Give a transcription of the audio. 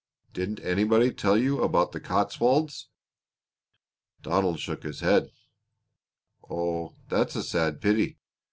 Didn't anybody tell you about the Cotswolds?" Donald shook his head. "Oh, that's a sad pity.